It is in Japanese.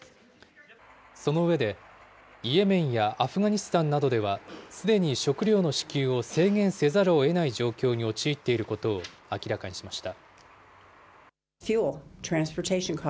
その上で、イエメンやアフガニスタンなどではすでに食料の支給を制限せざるをえない状況に陥っていることを明らかにしました。